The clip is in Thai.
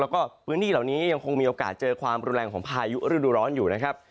แล้วก็พื้นที่เหล่านี้ยังคงมีโอกาสเจอความรุนแรงของพายุฤดูร้อนอยู่นะครับ